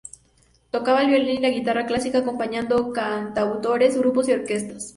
Tocaba el violín y la guitarra clásica, acompañando cantautores, grupos y orquestas.